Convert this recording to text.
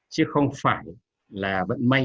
chứ không phải là bận may